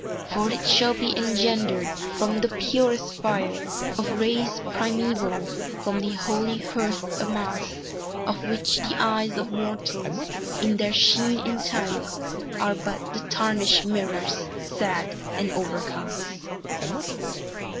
"For it shall be engendered from the purest fire Of rays primeval, from the holy hearth amassed, Of which the eyes of Mortals, in their sheen entire, Are but the tarnished mirrors, sad and overcast!"